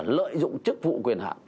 lợi dụng chức vụ quyền hạng